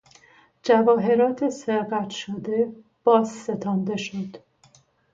جواهرات سرقت شده باز ستانده شد.